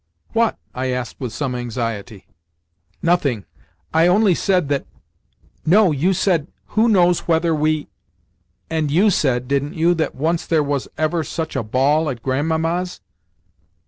"What?" I asked with some anxiety. "Nothing, I only said that—" "No. You said, 'Who knows whether we—'" "And you said, didn't you, that once there was ever such a ball at Grandmamma's?"